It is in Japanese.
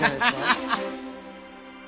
ハハハハ！